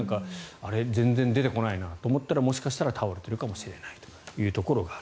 全然出てこないなと思ったらもしかしたら倒れているかもしれないというところがある。